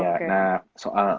jadi nah soal